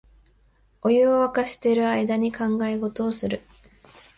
お湯をわかしてる間に考え事をする